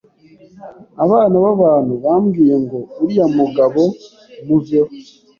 abana b’abantu bambwiyengo uriya mugabo muveho